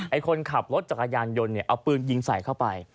คนขับรถจักรยานยนต์เนี่ยเอาปืนยิงใส่เข้าไป